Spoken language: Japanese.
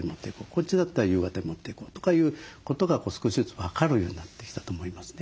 こっちだったら夕方に持っていこうとかいうことが少しずつ分かるようになってきたと思いますね。